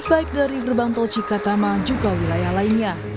baik dari gerbang tol cikatama juga wilayah lainnya